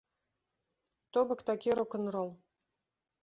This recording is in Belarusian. То бок такі рок-н-рол.